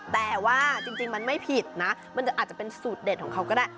แต่ว่าจริงมันไม่ผิดนะมันอาจจะเป็นสูตรเด็ดของเขาก็ได้